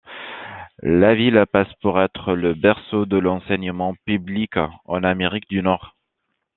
La ville passe pour être le berceau de l'enseignement public en Amérique du Nord.